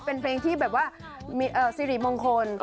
เป็นเพลงที่แบบว่าสิริมงคล